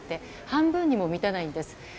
半分にも満たないんです。